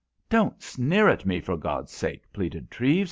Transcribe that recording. "Don't sneer at me, for God's sake," pleaded Treves.